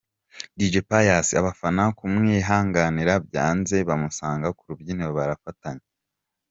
Dj Pius abafana kumwihanganira byanze bamusanga ku rubyiniro barafatanya.